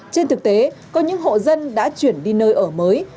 trên thực tế có những hộ dân đã chuyển đi nơi ở mới